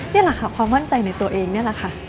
นี่แหละค่ะความมั่นใจในตัวเองนี่แหละค่ะ